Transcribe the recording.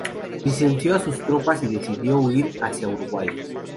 Licenció a sus tropas, y decidió huir hacia Uruguay.